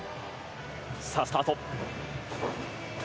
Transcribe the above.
さあ、スタート。